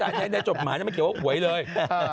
อ่าแต่ยังในจบหมายไม่เคยว่าหวยเลย